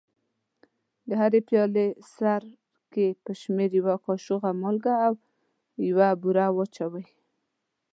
د هرې پیالې سرکې پر شمېر یوه کاشوغه مالګه او یوه بوره اچوي.